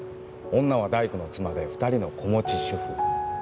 女は大工の妻で２人の子持ち主婦。